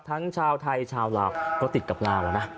ทั้งชาวไทยชาวลาวก็ติดกับลาวแล้วนะ